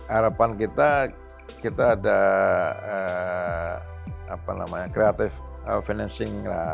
harapan kita kita ada creative financing